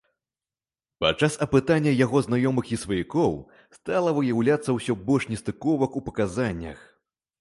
Падчас апытання яго знаёмых і сваякоў стала выяўляцца ўсё больш нестыковак у паказаннях.